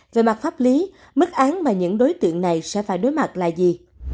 về mặt pháp lý mức án mà những đối tượng này sẽ phải đối mặt là gì